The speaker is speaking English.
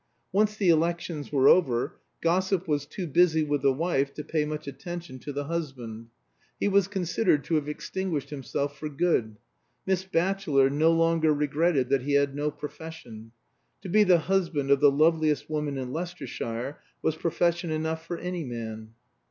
Once the elections were over, gossip was too busy with the wife to pay much attention to the husband. He was considered to have extinguished himself for good. Miss Batchelor no longer regretted that he had no profession. To be the husband of the loveliest woman in Leicestershire was profession enough for any man.